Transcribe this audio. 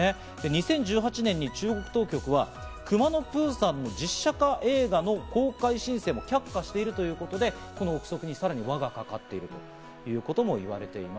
２０１８年に中国当局は『くまのプーさん』の実写映画の公開申請を却下しているということで、この臆測に、さらに輪がかかっているともいわれています。